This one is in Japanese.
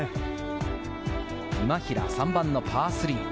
今平、３番のパー３。